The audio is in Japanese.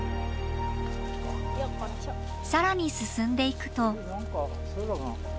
更に進んでいくと。